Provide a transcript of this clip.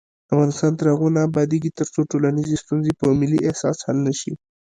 افغانستان تر هغو نه ابادیږي، ترڅو ټولنیزې ستونزې په ملي احساس حل نشي.